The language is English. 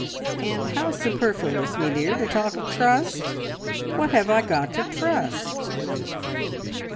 And how superfluous, me dear, to talk of trust? What have I got to trust?"